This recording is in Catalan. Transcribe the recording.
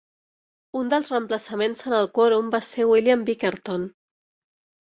Un dels reemplaçaments en el quòrum va ser William Bickerton.